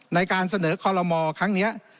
ในการเสนอคอลโลมอครั้งนี้